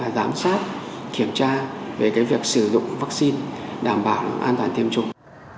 giám sát kiểm tra về việc sử dụng vaccine đảm bảo an toàn thiêm chủng